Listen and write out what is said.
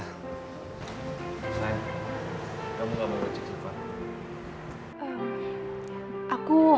sayang kamu enggak mau cek siva